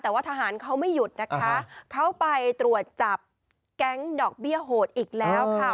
แต่ว่าทหารเขาไม่หยุดนะคะเขาไปตรวจจับแก๊งดอกเบี้ยโหดอีกแล้วค่ะ